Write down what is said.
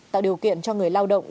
tạo điều kiện cho người lao động